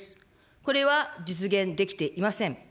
これは実現できていません。